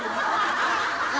あ。